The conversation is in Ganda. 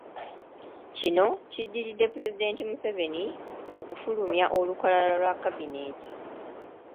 Kino kiddiridde Pulezidenti Museveni okufulumya olukalala lwa kabineeti.